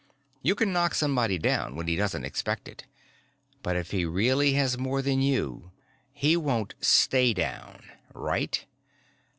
You can knock somebody down when he doesn't expect it. But if he really has more than you, he won't stay down. Right?"